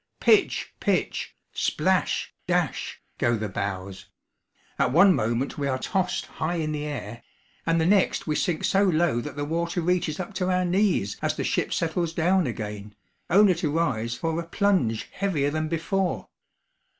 Pitch, pitch splash, dash, go the bows; at one moment we are tossed high in the air, and the next we sink so low that the water reaches up to our knees as the ship settles down again, only to rise for a plunge heavier than before.